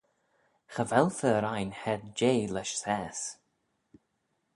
Cha vel fer ain hed jeh lesh saase.